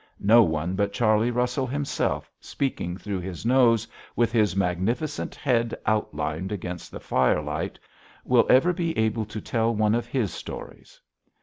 No one but Charley Russell himself, speaking through his nose, with his magnificent head outlined against the firelight, will ever be able to tell one of his stories.